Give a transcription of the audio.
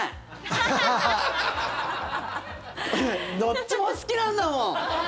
どっちも好きなんだもん！